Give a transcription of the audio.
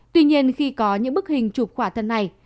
tuy nhiên khi có những bức hình chụp quả thân này